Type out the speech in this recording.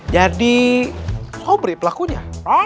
jadi sobri pelakunya